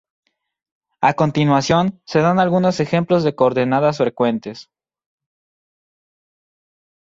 A continuación se dan algunos ejemplos de coordenadas frecuentes.